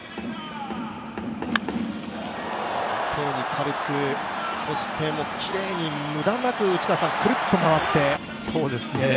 本当に軽く、そしてきれいに無駄なくくるっと回って。